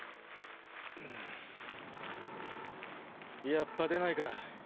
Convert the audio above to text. やっぱ出ないか？